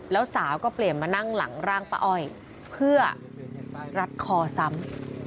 แล้วสาวก็เปลี่ยนมานั่งหลังร่างป้าอ้อยเพื่อรัดคอซ้ำ